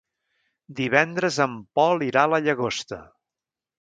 Divendres en Pol irà a la Llagosta.